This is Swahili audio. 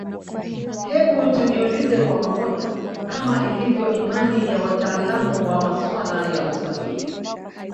Hebu tujiulize kwa pamoja Kama ilivyo imani ya watalaamu wa masuala ya usafiri